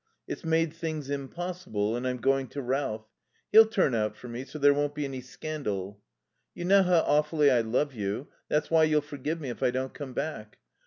It's made things impossible, and I'm going to Ralph. He'll turn out for me, so there won't be any scandal. "You know how awfully I love you, that's why you'll forgive me if I don't come back.